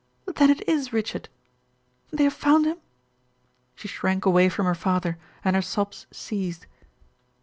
"Then it is Richard. They have found him?" She shrank away from her father and her sobs ceased.